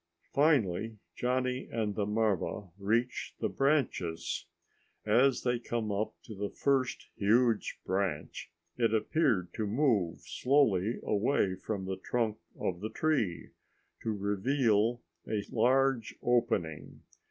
Finally Johnny and the marva reached the branches. As they came up to the first huge branch, it appeared to move slowly away from the trunk of the tree, to reveal a large opening.